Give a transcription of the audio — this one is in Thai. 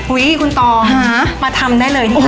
อุ้ยคุณต้องมาทำได้เลยที่บ้าน